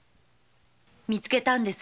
みつけたんです